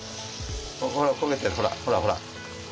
ほら焦げてるほらほら。